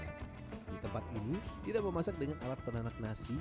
di tempat ini tidak memasak dengan alat penanak nasi